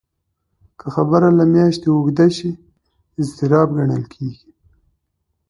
که خبره له میاشتې اوږده شي، اضطراب ګڼل کېږي.